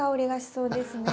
そうですね。